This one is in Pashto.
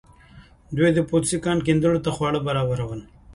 دوی د پوتسي کان کیندونکو ته خواړه برابرول.